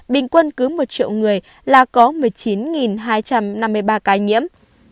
bình quân cứ một triệu người là có một mươi chín hai trăm năm mươi ba ca nhiễm